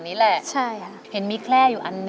ทั้งในเรื่องของการทำงานเคยทำนานแล้วเกิดปัญหาน้อย